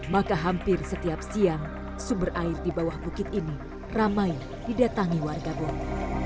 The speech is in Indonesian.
maka hampir setiap siang sumber air di bawah bukit ini ramai didatangi warga bone